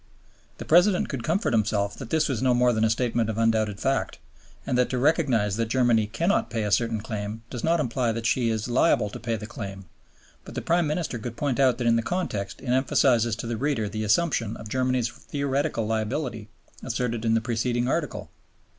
The President could comfort himself that this was no more than a statement of undoubted fact, and that to recognize that Germany cannot pay a certain claim does not imply that she is liable to pay the claim; but the Prime Minister could point out that in the context it emphasizes to the reader the assumption of Germany's theoretic liability asserted in the preceding Article.